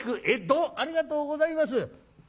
ええどうもありがとうございます。